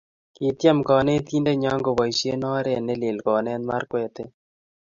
Kityem kanetindenyo koboishee oret nelel konet Markwete